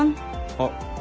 あっ。